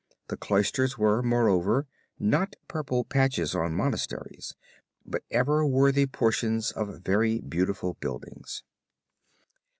The Cloisters were, moreover, not purple patches on monasteries, but ever worthy portions of very beautiful buildings.